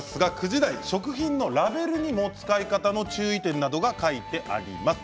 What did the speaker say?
９時台食品のラベルにも使い方の注意点などが書いてあります。